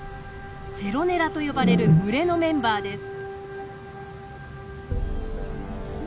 「セロネラ」と呼ばれる群れのメンバーです。